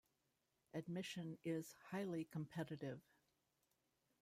Admission is highly competitive.